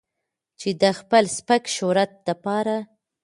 چې د خپل سپک شهرت د پاره